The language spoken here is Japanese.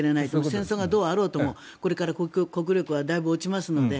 戦争がどうあろうともこれから国力はだいぶ落ちますので。